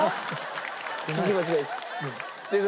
聞き間違えですか？